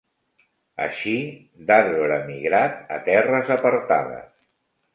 Així d'arbre migrat a terres apartades